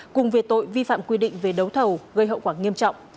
cùng về tội vi phạm quy định về đấu thầu gây hậu quả nghiêm trọng